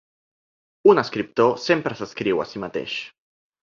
Un escriptor sempre s’escriu a si mateix.